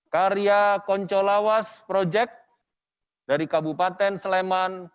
karya koncolawas project dari kabupaten sleman provinsi